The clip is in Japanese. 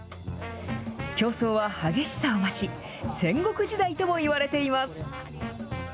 競争は激しさを増し、戦国時代ともいわれています。